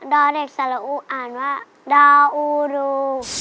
ดอเด็กสละอูอ่านว่าดออูดู